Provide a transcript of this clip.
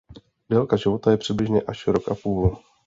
Délka života je přibližně až rok a půl.